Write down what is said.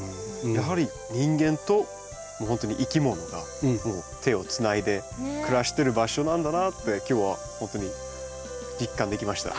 やはり人間とほんとにいきものが手をつないで暮らしてる場所なんだなって今日はほんとに実感できました。